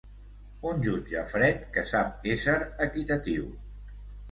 Un jutge fred, que sap ésser equitatiu.